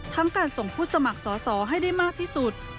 การส่งผู้สมัครสอสอให้ได้มากที่สุด